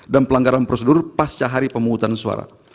dan pelanggaran prosedur pasca hari pemuhutan suara